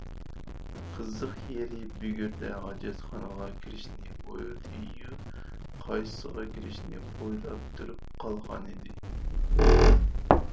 قىزىق يېرى بۈگۈردە ھاجەتخانىغا كىرىشنى ئويلىدى يۇ، قايسىغا كىرىشنى ئويلاپ تۇرۇپ قالغان ئىدى.